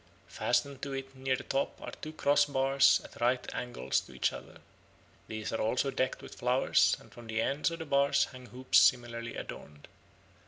Fastened to it near the top are two cross bars at right angles to each other. These are also decked with flowers, and from the ends of the bars hang hoops similarly adorned.